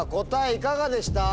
いかがでした？